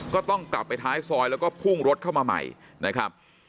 ก็ต้องกลับไปท้ายซอยแล้วก็พุ่งรถเข้ามาใหม่นะครับ